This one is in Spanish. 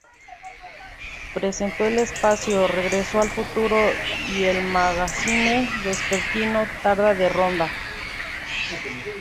Presentó el espacio "Regreso al futuro" y el magazine vespertino "Tarde de Ronda".